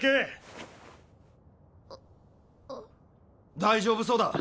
大丈夫そうだ。